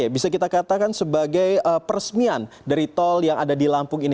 bisa kita katakan sebagai peresmian dari tol yang ada di lampung ini